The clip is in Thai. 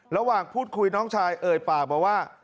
ระหว่างพูดคุยน้องชายเอ่ยปากมาว่า